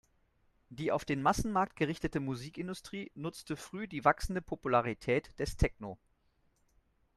Die auf den Massenmarkt gerichtete Musikindustrie nutzte früh die wachsende Popularität des Techno.